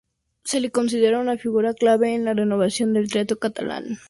Se le considera una figura clave en la renovación del teatro catalán contemporáneo.